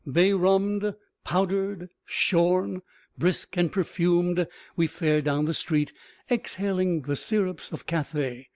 Bay rummed, powdered, shorn, brisk and perfumed, we fare down the street exhaling the syrups of Cathay.